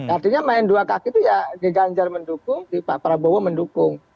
artinya main dua kaki itu ya di ganjar mendukung di pak prabowo mendukung